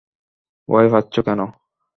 ভয় পাচ্ছো কেন?